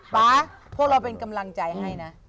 ป๊าพวกเราเป็นกำลังใจให้นะ